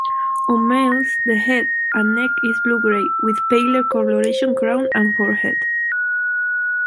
On males, the head and neck is blue-gray, with paler coloration crown and forehead.